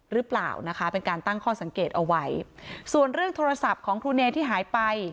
หรือเปล่านะคะเป็นการตั้งข้อสังเกตเอาไว้ส่วนเรื่องโทรศัพท์ของครูเนที่หายไป